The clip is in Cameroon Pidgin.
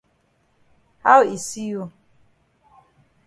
How e see you?